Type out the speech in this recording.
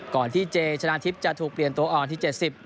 ก่อนที่เจชนะทิพย์จะถูกเปลี่ยนตัวอ่อนที่๗๐